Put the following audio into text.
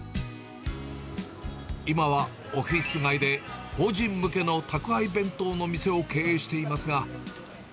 今はオフィス街で、法人向けの宅配弁当の店を経営していますが。